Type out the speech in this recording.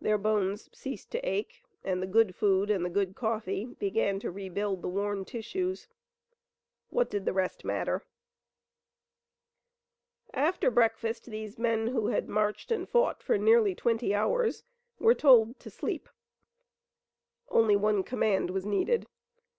Their bones ceased to ache, and the good food and the good coffee began to rebuild the worn tissues. What did the rest matter? After breakfast these men who had marched and fought for nearly twenty hours were told to sleep. Only one command was needed.